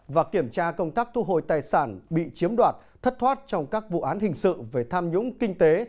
và kiểm tra công tác thu hồi tài sản bị chiếm đoạt thất thoát trong các vụ án hình sự về tham nhũng kinh tế